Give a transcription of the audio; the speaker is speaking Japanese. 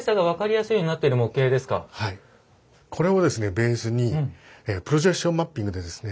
ベースにプロジェクションマッピングでですね